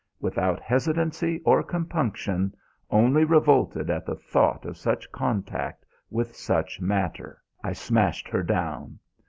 Without hesitancy or compunction, only revolted at the thought of such contact with such matter, I smashed her down.